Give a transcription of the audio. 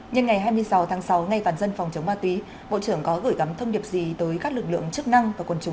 nhân ngày hai mươi sáu tháng sáu ngày toàn dân phòng chống ma túy bộ trưởng có gửi gắm thông điệp gì tới các lực lượng chức năng và quân chúng